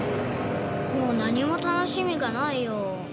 もう何も楽しみがないよ。